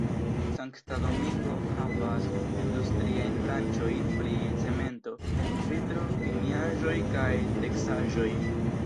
Sankta Domingo havas industriajn branĉojn pri cemento, vitro, kemiaĵoj kaj teksaĵoj.